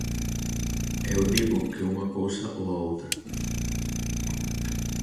Eu digo que unha cousa ou a outra.